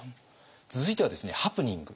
続いてはですねハプニング。